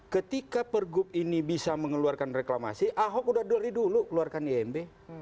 ketika pergub ini bisa mengeluarkan reklamasi ahok udah dari dulu keluarkan imb